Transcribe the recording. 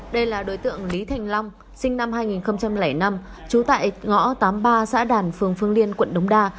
đây là đối tượng lý thành long sinh năm hai nghìn năm trú tại ngõ tám mươi ba xã đàn phường phương liên quận đống đa